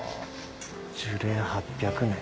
「樹齢８００年」